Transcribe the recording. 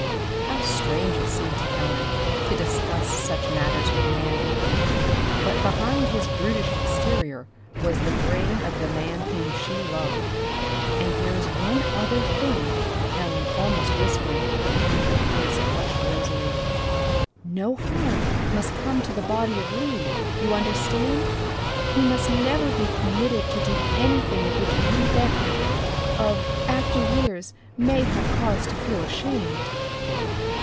How strange it seemed to Ellen to discuss such matters with Manape. But behind his brutish exterior was the brain of the man whom she loved. "And there is one other thing," Ellen almost whispered, and her face flushed rosily. "No harm must come to the body of Lee, you understand? He must never be permitted to do anything of which Lee Bentley of after years may have cause to feel ashamed."